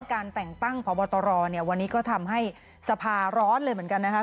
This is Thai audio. การแต่งตั้งพบตรเนี่ยวันนี้ก็ทำให้สภาร้อนเลยเหมือนกันนะครับ